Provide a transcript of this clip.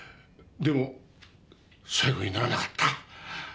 でも最後にならなかった。